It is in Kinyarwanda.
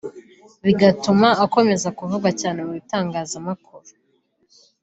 bigatuma akomeza kuvugwa cyane mu bitangazamakuru